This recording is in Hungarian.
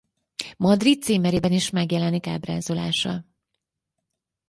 Madrid címerében is megjelenik ábrázolása.